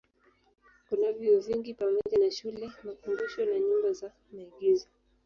Kuna vyuo vingi pamoja na shule, makumbusho na nyumba za maigizo.